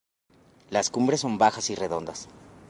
Las cumbres son bajas y redondeadas.